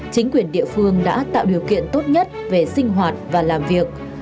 chính quyền địa phương đã tạo điều kiện tốt nhất về sinh hoạt và làm việc